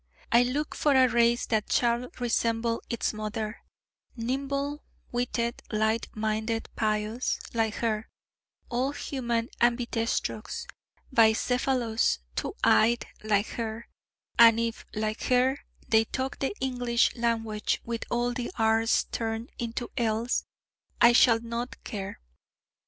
I look for a race that shall resemble its Mother: nimble witted, light minded, pious like her; all human, ambidextrous, ambicephalous, two eyed like her; and if, like her, they talk the English language with all the r's turned into l's, I shall not care.